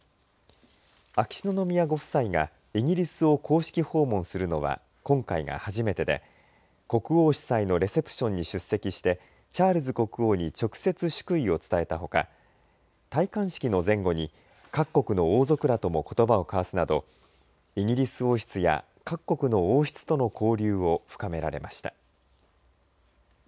秋篠宮ご夫妻がイギリスを公式訪問するのは今回が初めてで国王主催のレセプションに出席してチャールズ国王に直接祝意を伝えたほか戴冠式の前後に各国の王族らともことばを交わすなどイギリス王室や各国の王室との交流を深められました。